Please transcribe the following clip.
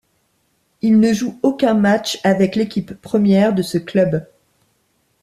Il ne joue aucun match avec l'équipe première de ce club.